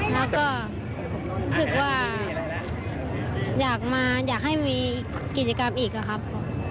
แล้วก็รู้สึกว่าอยากมาอยากให้มีกิจกรรมอีกครับ